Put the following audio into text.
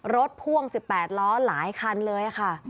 พ่วง๑๘ล้อหลายคันเลยค่ะ